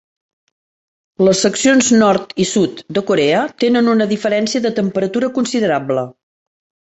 Les seccions nord i sud de Corea tenen una diferència de temperatura considerable.